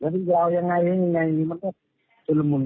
พี่จะเอาเงินใช้ไปทำอะไรครับพี่